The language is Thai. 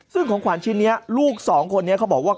ซึ่งของขวัญชิ้นนี้ลูกสองคนนี้เขาบอกว่า